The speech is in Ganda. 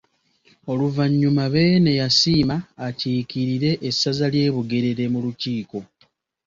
Oluvannyuma Beene yasiima akiikirire essaza ly’e Bugerere mu lukiiko.